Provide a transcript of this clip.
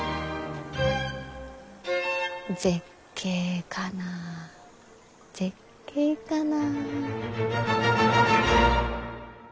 「絶景かな絶景かな」。